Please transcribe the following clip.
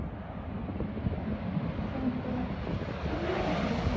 先手９六香車。